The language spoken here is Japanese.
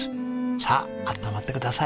さああったまってください。